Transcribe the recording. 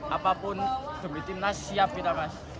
apapun demi timnas siap kita mas